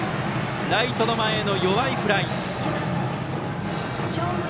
ライトの前への弱いフライ。